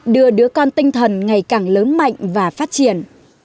đưa đứa con tinh thần ngày càng lớn mạnh và phát triển